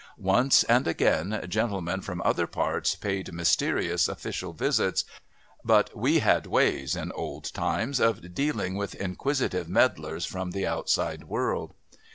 Once and again gentlemen from other parts paid mysterious official visits, but we had ways, in old times, of dealing with inquisitive meddlers from the outside world.